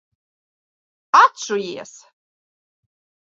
Atšujies!